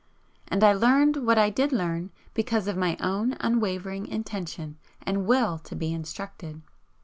And I learned what I did learn because of my own unwavering intention and WILL to be instructed.